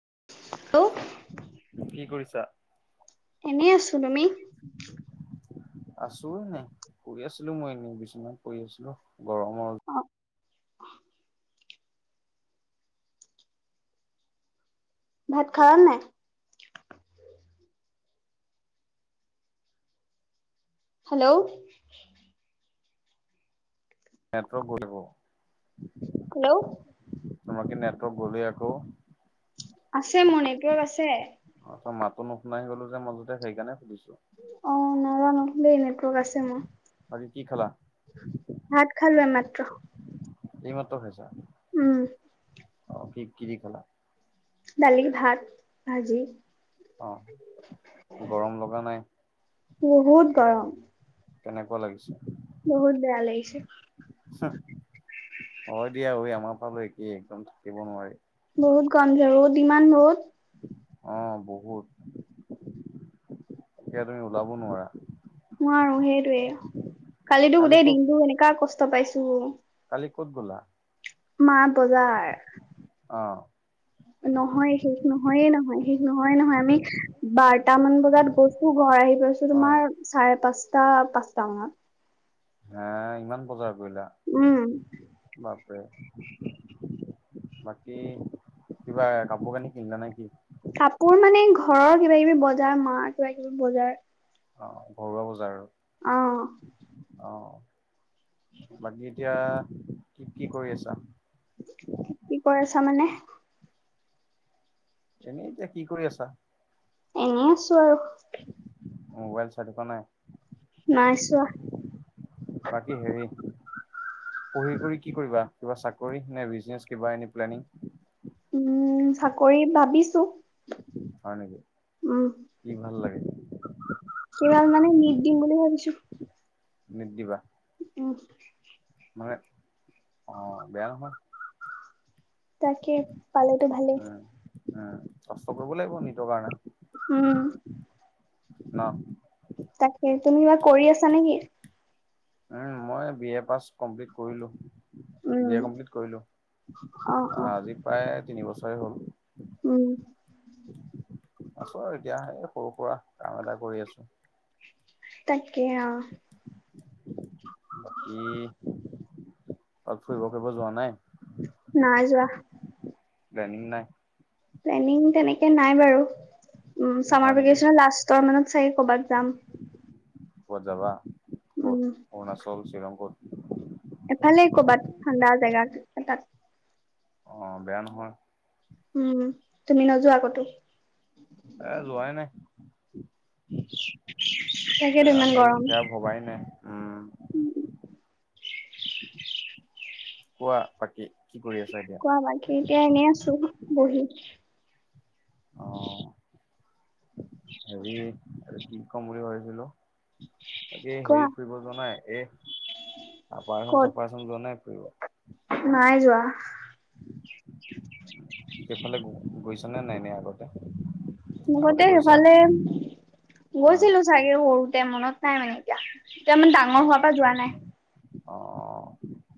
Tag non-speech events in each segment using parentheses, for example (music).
(unintelligible) কি কৰিছা? এনেই আছো তুমি? (inaudible) আছো এনে শুই আছিলো মই এনেই বিচনাত পৰি আছিলো গৰমৰ অ ভাত খালানো নাই? হেল্ল'। Network (unintelligible) hello. তোমাৰ কি নেটৱৰ্ক গ'লে আকৌ? আছে নেটওয়াৰ্ক আছে। নাই গ'লো যে মতে সেই কাৰণে সুধিছো। অ', নাজানো দে নেটওয়াৰ্ক আছে মোৰ। বাকি কি খালা? ভাত খালো এই মাত্ৰ। এইমাত্ৰ খাইছা? উম। অ', কি কি দি খালা? দালি ভাত ভাজি। অহ গৰম লগা নাই? বহুত গৰম? কেনেকুৱা লাগিছে? বহুত বেয়া লাগিছে। অ', হয় দিয়া ঐ আমাৰ ফালে একেই একদম থাকিব নোৱাৰি। বহুত গৰম যে ৰ'দ ইমান ৰ'দ। অ', বহুত এতিয়া তুমি ওলাব নোৱাৰা! নোৱাৰো সেইটোয়ে কালিতো কালি গোটেই ক'ত দিনটো এনেকুৱা কষ্ট পাইছো। কালি ক'ত গ'লা? মা বজাৰ। অ'। নহয় শেষ নহয়ে নহয় শেষ নহয়ে নহয় আমি বাৰ টা মান বজাত গৈছো। ঘৰ আহি পাইছো অ তোমাৰ চাৰে পাঁচটা পাঁচটা মানত। হে ইমান বজাৰ কৰিলা উম বাপৰে। বাকী কিবা কাপোৰ কানি কিনিলা নে কি? কাপোৰ মানে ঘৰৰ কিবা কিবি বজাৰ মাৰ কিবা কিবি বজাৰ। অ', ঘৰুৱা বজাৰ আৰু। আহ। অ', বাকী এতিয়া কি কৰি আছা? কি কৈ আছা মানে? এনেই এতিয়া কি কৰি আছা? এনেই আছো আৰু। মোবাইল চাই থকা নাই? নাই চোৱা। বাকী হেৰি পঢ়ি কৰি কি কৰিবা কিবা চাকৰি নে বিজনেচ কিবা এনে প্লেং? উম, চাকৰি ভাবিছো। হয় নেকি? উম কি ভাল লাগে? কেৱল মানে নিট দিম বুলি ভাবিছো। নিট দিবা? উম। মানে অ' বেয়া নহয়। তাকে পালেটো ভালেই। উম। উম, কষ্ট কৰিব লাগিব নিতৰ কাৰণে হম, ন, তাকে তুমি কিবা কৰি আছা নেকি? উম, মই বি এ পাছ কমপ্লিট কৰিলো। উম বি এ কমপ্লিট কৰিলো, অ অ আজি প্ৰায় তিনিবছৰে হ'ল। উম, আছোঁ আৰু এতিয়া এই সৰু সুৰা কাম এটা কৰি আছো। তাকে, অ বাকী অ ফুৰিব ফুৰিব যোৱা নাই? নাই যোৱা (unintelligible) নাই? প্লেনিং তেনেকে নাই বাৰু, উ হয় চামাৰ নেকি? ভেকেচন লাষ্টৰ মানে চ ক'বাত যাম। কত যাৱা, উম কত? অৰুণাচল শ্বিলং কত? এফালে কৰ'বাত ঠাণ্ডা জেগা এ তাত অ বেয়া নহয় উম, তুমি নোযোৱা আ কতো? এ যোৱাই নাই তাকেতো য়া ইমান সেই গৰম এয়া ভবাই নাই উম, কোৱা বাকী কি কৰি আছা এতিয়া? কোৱা বাকী, এতিয়া এনেই আছো বহি অ' হেৰি, কি কম বুলি ভাবিছিলো বাকি কোৱা হেৰি ফুৰিব যোৱা নাই এ (unintelligible) (unintelligible) ক'ত যোৱা নাই? নাই (inaudible) সেইফালে গৈছ নে নাই নাই আগতে। আগতে সেইফালে অ' গৈছিলো চাগে, সৰুতে মনত নাই মানে এতিয়া। তেতিয়া ইমান ডাঙৰ হোৱাৰ অ' পৰা যোৱা নাই। অ',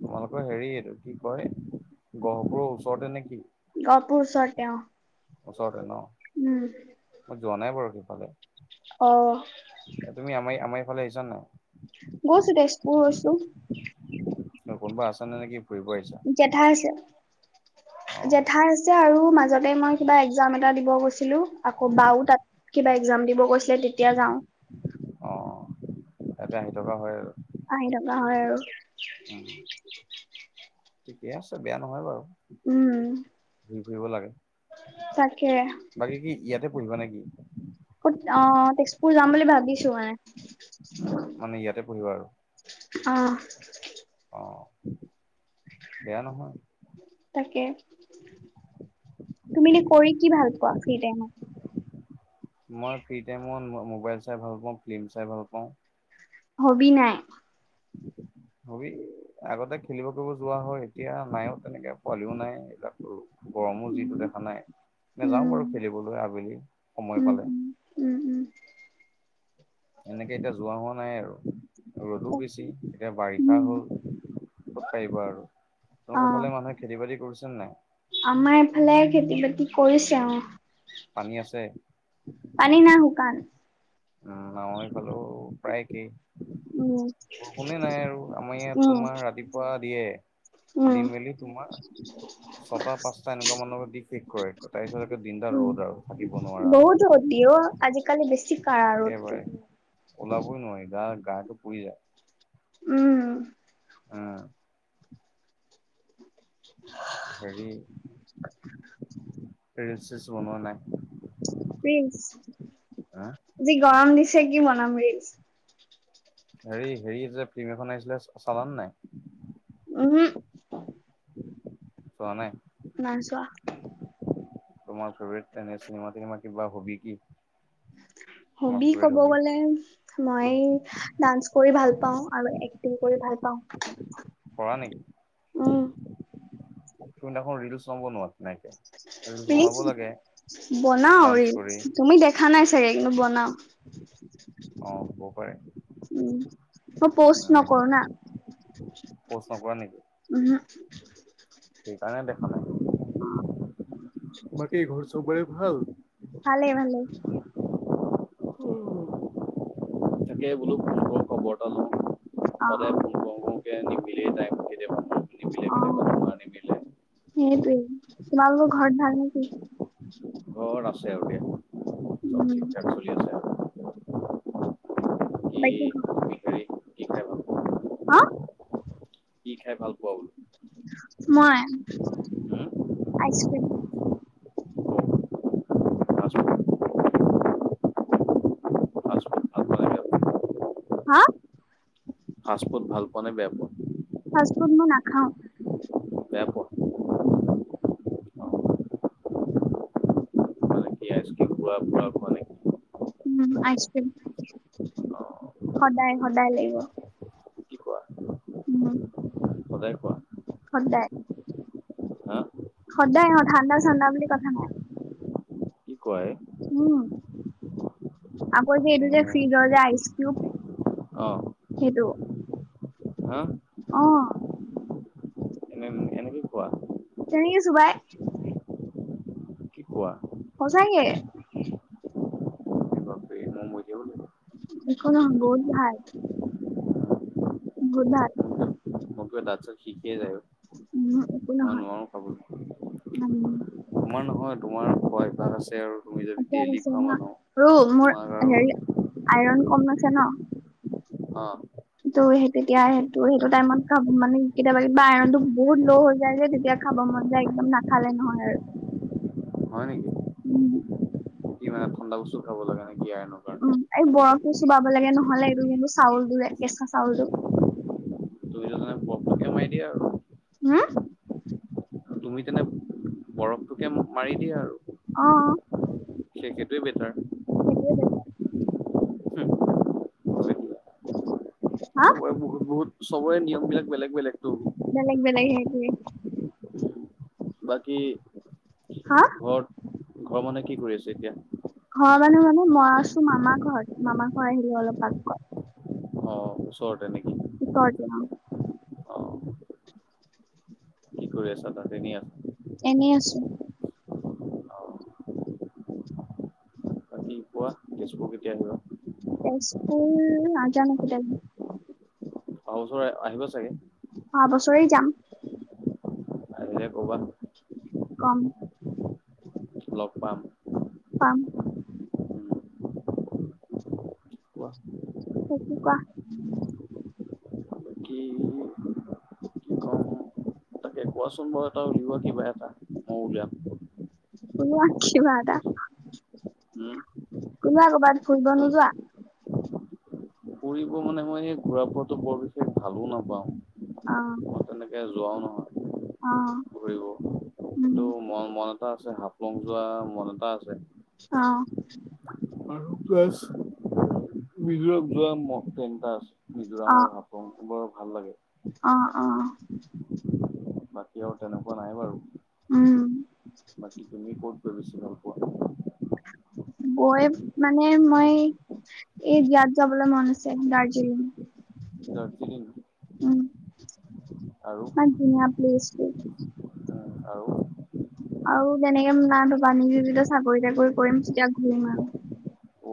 তোমালোকৰ হেৰি এইটো কি কয় গহপুৰৰ ওচৰতে নেকি? অ', গহপুৰ তেওঁ ওচৰতে ন? উম'। মই যোৱা নাই বাৰু সেইফালে অ তুমি আমাৰ আমাৰ এইফালে আহিছা নাই? গ'ছো তেজপুৰ গৈছো। ন কোনোবা আছ নে নেকি? ফুৰিব আহিছা? জেঠাই আছে অ', জেঠাই আছে আৰু মাজতে মই কিবা এক্জাম এটা দিব গৈছিলো, আকৌ বাও তাত কিবা একজাম দিব গৈছিল। তেতিয়া যাওঁ অঁ', ইয়াতে আহি থকা হয় আৰু। আহি থকা হয় আৰু। উম, ঠিকে আছে বেয়া নহয় বাৰু। উম'। ঘুই ফুৰি লাগে। তাকে। বাকী কি ইয়াতে পঢ়িবা নেকি? ত অ', তেজপুৰ যাম বুলি ভাবিছো মানে। মানে ইয়াতে পঢ়িবা আৰু। অ'। অ', বেয়া নহয়। তুমি এ কৰি কি ভাল পোৱা ফ্ৰী টাইমত। মই ফ্ৰী টাইমত মোবাইল চাই ভাল পাওঁ, ফিল্ম চাই ভাল পাওঁ। হবি নাই? হবি আগতে খেলিব কৰিব যোৱা হয়। এতিয়া নাইও তেনেকে পোৱালিও নাই গৰমো যিটো উম দেখা নাই। নেযাওঁ বাৰু উম খেলিবলৈ আবেলি সময় উম পালে। উম উম এনেকে এতিয়া যোৱা হোৱা নাই আৰু ৰ'দো বেছি, এতিয়া বাৰিষা উম হ'ল। কত পাৰিব আৰু অ তেওঁলোকৰ ফালে মানুহে খেতি বাতি কৰিছে নে নাই? আমাৰ এইফালে খেতি বাতি কৰিছে, পানী অ। আছে? পানী না শুকান? উম আমাৰ এইফালো প্ৰায় একে। উম বৰষুনে নাই আৰু আমাৰ ইয়াত উম তোমাৰ ৰাতিপুৱা দিয়ে। দি উম'। মেলি তোমাৰ ছটা পাঁচটা এনেকুৱা মানৰ দি শেষ কৰে। তাৰপিছতে দিনটা উম ৰ'দ আৰু থাকিব বহুত ৰ'দ নোৱাৰা। দিয়ে আজিকালি বেছি কাঢ়া ৰ'দটো একেবাৰে, ওলাবই নোৱাৰি গা গাটো পুৰি যায়। উম'। উম (inaudible) হেৰি, ৰীলচ-চিলছ বনোৱা নাই? হা যি গৰম দিছে কি বনাম ৰীলচ। হেৰি-হেৰি যে ফিল্ম এখন আহিছিলে চালান নাই। উহুম'। চোৱা নাই? নাই চোৱা। তোমাৰ ফেভট এনে চিনেমা-থিনেমা কিবা হবি কি? তোমাৰ হবি ফেভৰেট ক'ব হবি গ'লে মই ডান্স কৰি ভাল পাওঁ আৰু এক্টিং কৰি ভাল পাওঁ। কৰানেকি? উম। তুমি দেখন ৰিলচ নোবনৱা তেনেকে, ৰিলচ বনাব লাগে। বনাও ডান্স ৰিলচ, কৰি তুমি দেখা নাই চাগে, কিন্তো বনাও। অ হ'ব পাৰে। উম মই পোষ্ট নকৰো না, প'ষ্ট নকৰা নেকি? উহুম। (inaudible) সেইকাৰণে দেখা নাই, বাকি ঘৰ চবৰে ভাল? ভালে ভালে। তাকে বোলো ফোন কৰো খবৰ এটা লওঁ, অ, সদায় ফোন কৰু-কৰু (unintelligible) অ সেইটোৱেই। তোমালোকৰ ঘৰত ভাল নেকি? ঘৰত আছে আৰু দিয়া। চব উম। ঠিক ঠাক চলি আছে আৰু বাকী বাকি (unintelligible) তুমি হেৰি কি খাই ভাল পোৱা? হা? কি খাই ভাল পোৱা বোলো? মই ice cream. Fast food fast food ভাল পোৱা নে বেয়া পোৱা? হা? ফাষ্ট ফুড ভাল পোৱা নে বেয়া পোৱা? ফাষ্টফুড মই নাখাওঁ। বেয়া পোৱা? অ মানে (unintelligible) উম আইচক্রিম, অ', সদায় সদায় লাগিব। কি কোৱা উম। সদায় কোৱা সদায়। হা সদায় অ' ঠাণ্ডা চাণ্ডা বুলি কথা নাই। কি কোৱা এ উম। আকৌ যে এইটো যে ফ্ৰিজৰ যে আইচ কিউব অ', সেইটো। হা আহ। এনে এনেকে কোৱা কেনেকে চোবাই। কি কোৱা সচাঁকে। এ বাপৰে মই মৰিব লাগিব একো নহয় বহুত ভাল। বহুত ভাল। মোৰ কিবা দাঁত চাত শিৰ শিৰাই যায় উম একো গৈ। মই নহয় নোৱাৰো খাবলৈ। উম, তোমাৰ নহয়? তোমাৰ খোৱা অভ্যাস আছে আৰু। তুমি যদি অভ্যাস ডেইলি আছে খোৱা ন মানুহ ৰ মোৰ তোমাক আৰু হেৰি আইৰন কম আছে ন। অ'। তো সেই তেতিয়া সেইটো সেইটো টাইমত খাব মানে কেতিয়াবা কিবা আৰনতটো বহুত ল' হৈ যায় যে তেতিয়া খাব মন যায় আৰু একদম নাখালে নহয় আৰু। হয় নেকি? উম কি মানে ঠাণ্ডা বস্তু খাব লাগে নেকি? আইৰণৰ কাৰণে উম, এই বৰফটো চুবাব লাগে নহ'লে এইটো যে চাউলটো যে কেচা চাউলটো। কমাই দিয়া আৰু। হম? তুমি তেনে বৰফটোকে মাৰি দিয়া আৰু। অ'। সেই সেইটোৱেই বেটাৰ। সেইটোৱে বেটাৰ। হা? চবৰে বহুত বহুত চবৰে নিয়মবিলাক বেলেগ বেলেগতো। বেলেগ বেলেগ হেতুয়ে। বাকী হা ঘৰত ঘৰৰ মানুহে কি কৰি আছে এতিয়া? মই মানুহ মানে মই আছো মামাৰ ঘৰত, মামা ঘৰ আহিলো অলপ আগত। অ', ওচৰতে নেকি? ওচৰতে অ'। অ কি কৰি আছা তাত তেনে আছা? (inaudible) অ বাকী কোৱা তেজপুৰ কেতিয়া আহিবা? তেজপুৰ নাজানো কেতিয়া যাওঁ। অহা বছৰ আহিব চাগে। অহা বছৰে যাম। আহিলে ক'বা। কম। লগ পাম। পাম। উম, কোৱা কি কোৱা? বাকী কি কম তাকে কোৱাচোন বাৰু এটা উলিওৱা কিবা এটা মইওঁ উলিয়াম। উলিওৱা কিবা এটা। উম কোনোবা কৰ'বাত ফুৰিব নোযোৱা? ফুৰিব মানে মই এই ঘূৰা ফুৰাটো বৰ বিশেষ ভালো নাপাওঁ। আহ। মই তেনেকে যোৱাও নহয় ঘূৰিব, উম সেইটো মন মনত আছে হাফলং যোৱা মন এটা আছে। অ'। আৰু প্লাছ বিহুৰক যোৱা ম (unintelligible) নটা আছে। অ মিজোৰামৰ, হাফলং বৰ ভাল লাগে। অ', অ'। বাকী আৰু তেনেকুৱা নাই বাৰু। উম (inaudible) বাকী তুমি ক'ত গৈ বেছি ভাল পোৱা? গৈ মানে, মই এই ইয়াত যাবলৈ মন আছে দাৰ্জিলিং। দাৰ্জিলিং। উম। আৰু ইমান ধুনীয়া প্লেছটো। আৰু? আৰু তেনেকে না, ধবা নিজে যেতিয়া চাকৰি, তাকৰি কৰিম তেতিয়া ঘূৰিম আৰু।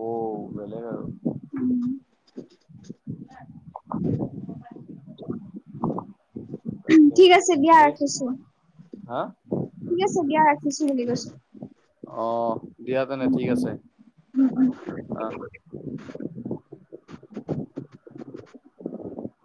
অ বেলেগ আৰু উম। তাকে ঠিক আছে, দিয়া ৰাখিছো। হা? ঠিক আছে, দিয়া ৰাখিছো বুলি কৈছো। অ দিয়া তেনে উম, ঠিক উম, আছে। উম, উম। অ